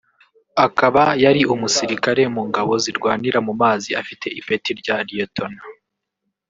akaba yari umusirikare mu ngabo zirwanira mu mazi afite ipeti rya Lieutenant